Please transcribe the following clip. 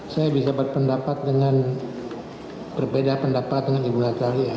saya bisa berpendapat dengan berbeda pendapat dengan ibu atalia